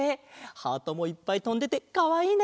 ハートもいっぱいとんでてかわいいね。